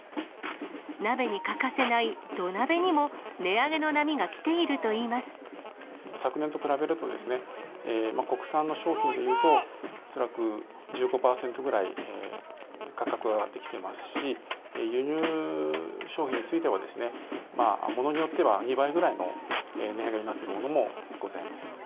鍋に欠かせない土鍋にも、昨年と比べると、国産の商品でいうと、恐らく１５％ぐらい、価格が上がってきていますし、輸入商品については、物によっては２倍ぐらいの値上げになっているものもございます。